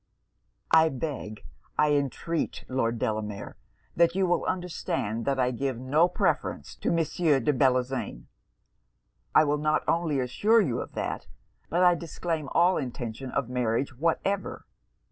'I beg, I entreat, Lord Delamere, that you will understand that I give no preference to Mr. de Bellozane. I will not only assure you of that, but I disclaim all intention of marriage whatever!